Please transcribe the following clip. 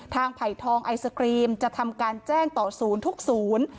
ไผ่ทองไอศกรีมจะทำการแจ้งต่อศูนย์ทุกศูนย์